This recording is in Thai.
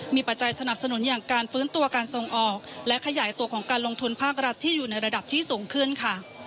มีปัจจัยสนับสนุนอย่างการฟื้นตัวการส่งออกและขยายตัวของการลงทุนภาครัฐที่อยู่ในระดับที่สูงขึ้นค่ะ